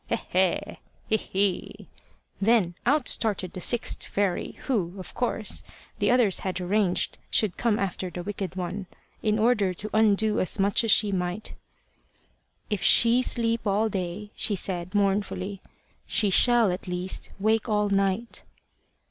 He, he! Hi, hi!" Then out started the sixth fairy, who, of course, the others had arranged should come after the wicked one, in order to undo as much as she might. "If she sleep all day," she said, mournfully, "she shall, at least, wake all night."